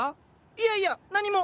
いやいや！何も！